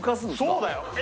そうだよ！